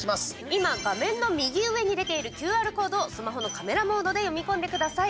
今、画面の右上に出ているＱＲコードをスマホのカメラモードで読み込んでください。